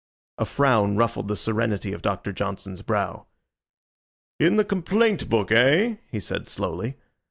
A frown ruffled the serenity of Doctor Johnson's brow. "In the complaint book, eh?" he said, slowly.